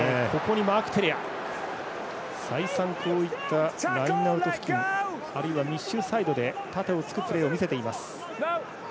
マーク・テレア再三、ラインアウト付近あるいは密集サイドで縦をつくプレーを見せています。